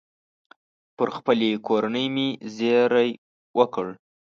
پر خپلې کورنۍ مې زېری وکړ.